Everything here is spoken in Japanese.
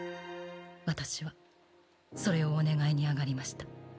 私はそれをお願いに上がりました。